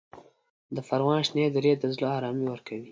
د پروان شنې درې د زړه ارامي ورکوي.